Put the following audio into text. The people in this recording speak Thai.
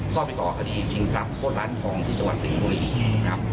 ก็ไปต่อคดีจิงศัพท์โฆษ์รัฐของที่จังหวัดสิงห์บุรีครับ